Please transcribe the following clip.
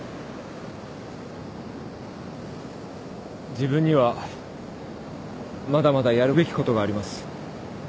自分にはまだまだやるべきことがあります。